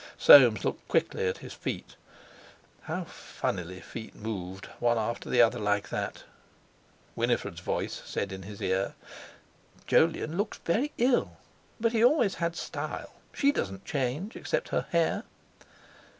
Soames looked quickly at his feet. How funnily feet moved, one after the other like that! Winifred's voice said in his ear: "Jolyon looks very ill; but he always had style. She doesn't change—except her hair."